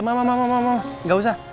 eh mama mama mama mama gak usah